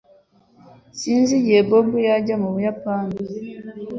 Sinzi igihe Bob yaje mu Buyapani